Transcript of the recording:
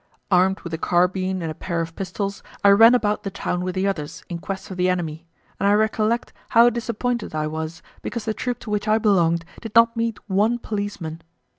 Armed with a carbine and a pair of pistols, I ran about the town with the others, in quest of the enemy, and I recollect how disappointed I was because the troop to which I belonged did not meet one policeman.